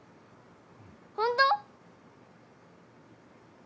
本当！？